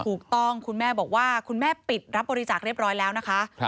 คุณแม่บอกว่าคุณแม่ปิดรับบริจาคเรียบร้อยแล้วนะคะ